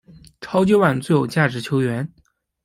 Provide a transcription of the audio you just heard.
超级碗最有价值球员。